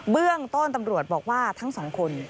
เบื้องต้นตำรวจบอกว่าทั้งสองคน